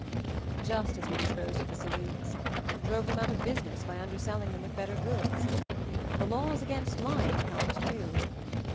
"Just as we disposed of the saloons; drove them out of business by underselling them with better goods. The laws against lying helped too."